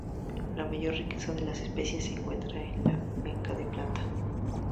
La mayor riqueza de especies se encuentra en la cuenca del Plata.